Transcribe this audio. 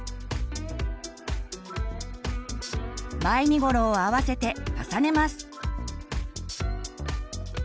前身頃を合わせて重ねます。